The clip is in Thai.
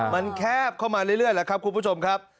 มันแคบเข้ามาเรื่อยแล้วครับคุณผู้ชมครับ